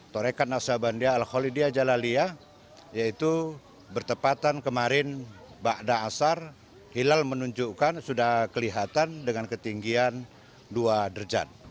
terekat naksabandia al halidiyah jalaliyah yaitu bertepatan kemarin ba'adah asar hilal menunjukkan sudah kelihatan dengan ketinggian dua derjat